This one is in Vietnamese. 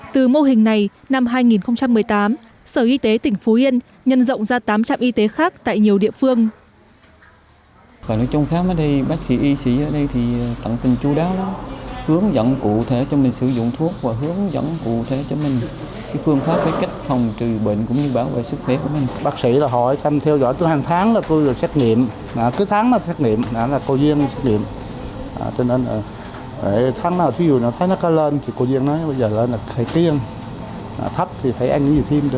từ mô hình này năm hai nghìn một mươi tám sở y tế tỉnh phú yên nhân rộng ra tám trạm y tế khác tại nhiều địa phương